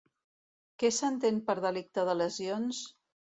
Què s'entén per delicte de lesions?